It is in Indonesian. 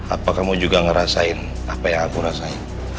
apa kamu juga ngerasain apa yang aku rasain